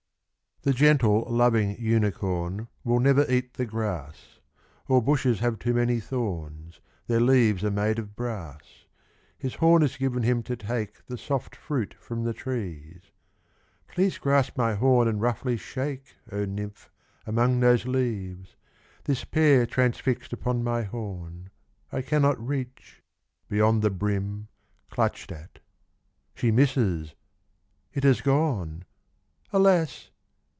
The gentle, loving unicorn Will never eat the grass — All bushes have too many thorns Their leaves are made of brass, 43 Fables. His horn is given him to take The soft fruit from the trees, ' Please grasp my horn and roughly shake, nymph, among those leaves ; This pear transfixed upon my horn ; 1 cannot reach '— beyond the brim ; Clutched at ; she misses ; it has gone 'Alas